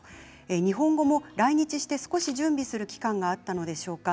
日本語も来日して少し準備する期間があったのでしょうか。